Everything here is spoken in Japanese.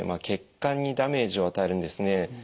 血管にダメージを与えるんですね。